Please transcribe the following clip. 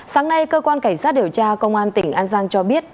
sáng nay cơ quan cảnh sát điều tra công an tỉnh an giang cho biết